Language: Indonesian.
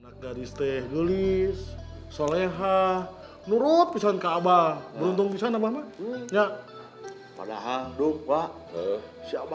naga di stegelis solehah nurut pisan kabar beruntung bisa nama ya padahal duk pak siapa